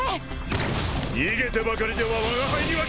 逃げてばかりではわが輩には勝てぬぞ！